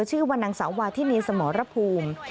ชื่อว่านางสาววาทินีสมรภูมิ